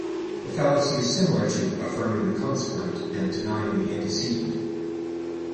The fallacy is similar to affirming the consequent and denying the antecedent.